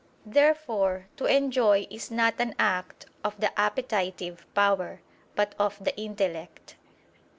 Therefore to enjoy is not an act of the appetitive power, but of the intellect.